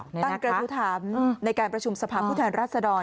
กระทู้ถามในการประชุมสภาพผู้แทนรัศดร